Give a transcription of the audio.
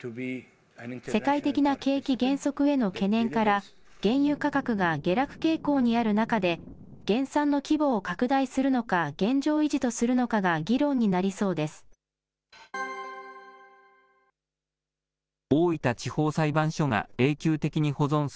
世界的な景気減速への懸念から、原油価格が下落傾向にある中で、減産の規模を拡大するのか現状維持とするのかが議論になりそうです。